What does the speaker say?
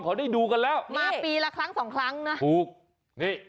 เขาได้ดูกันแล้วมาปีละครั้งสองครั้งนะถูกนี่